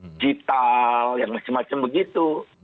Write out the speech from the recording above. digital yang macam macam begitu